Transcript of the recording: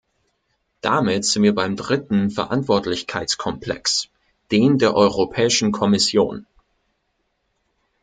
Damit sind wir beim dritten Verantwortlichkeitskomplex, dem der Europäischen Kommission.